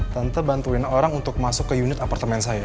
tante bantuin orang untuk masuk ke unit apartemen saya